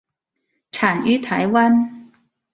产于台湾。